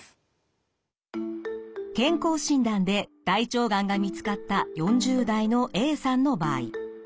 健康診断で大腸がんが見つかった４０代のＡさんの場合。